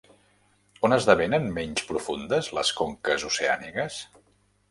On esdevenen menys profundes les conques oceàniques?